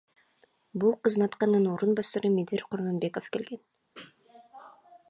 Бул кызматка анын орун басары Медер Курманбеков келген.